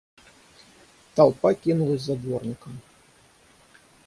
Толпа кинулась за дворником.